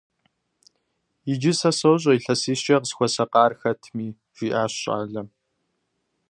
- Иджы сэ сощӀэ илъэсищкӀэ къысхуэсакъар хэтми, - жиӀащ щӀалэм.